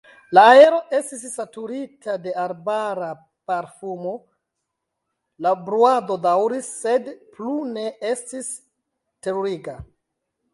Aero estis saturita de arbara parfumo, la bruado daŭris, sed plu ne estis teruriga.